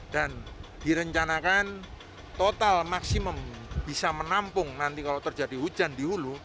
dan direncanakan total maksimum bisa menampung nanti kalau terjadi hujan di hulu